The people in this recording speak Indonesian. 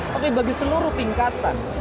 tapi bagi seluruh tingkatan